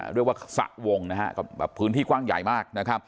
เรียกว่าสระวงพื้นที่กว้างใหญ่มากนะครับ